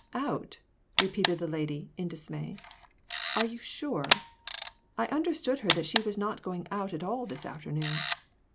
"Out!" repeated the lady, in dismay. "Are you sure? I understood her that she was not going out at all this afternoon."